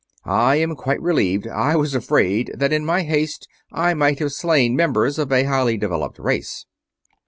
I am quite relieved I was afraid that in my haste I might have slain members of a highly developed race."